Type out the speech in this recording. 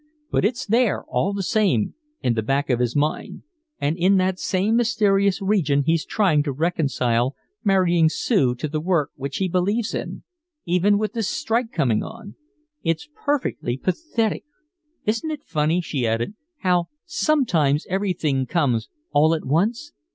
But it's there all the same in the back of his mind, and in that same mysterious region he's trying to reconcile marrying Sue to the work which he believes in even with this strike coming on. It's perfectly pathetic. "Isn't it funny," she added, "how sometimes everything comes all at once?